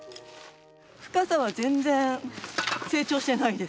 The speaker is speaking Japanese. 深さは全然成長してないです。